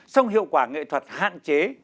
song hiệu quả nghệ thuật hạn chế